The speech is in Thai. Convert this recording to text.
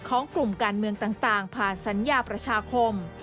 ของกลุ่มการเมืองต่างผ่านสัญญาประชาคม